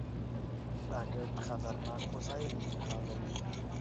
راکټ خطرناک وسایل انتقالوي